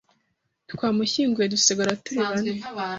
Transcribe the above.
Twarmushyinguye dusigara turi bane,